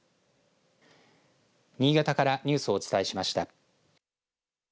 新潟からニュースをお伝えしました。